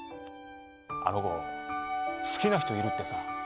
「あのこすきなひといるってさ」。